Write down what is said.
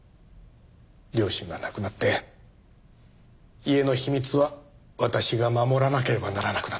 両親が亡くなって家の秘密は私が守らなければならなくなった。